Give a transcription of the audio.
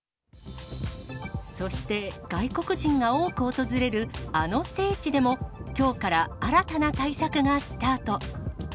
そして外国人が多く訪れるあの聖地でも、きょうから新たな対策がスタート。